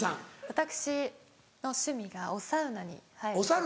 私の趣味がおサウナに入ること。